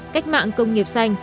cách mạng công nghiệp xanh